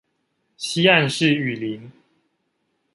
西岸是雨林